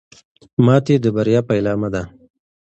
ماتې د بریا پیلامه ده.